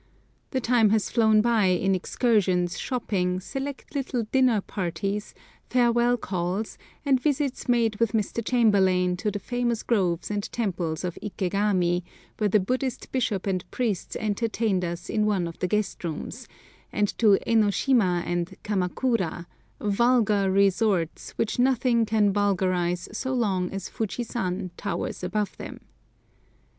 The time has flown by in excursions, shopping, select little dinner parties, farewell calls, and visits made with Mr. Chamberlain to the famous groves and temples of Ikegami, where the Buddhist bishop and priests entertained us in one of the guest rooms, and to Enoshima and Kamakura, "vulgar" resorts which nothing can vulgarise so long as Fujisan towers above them.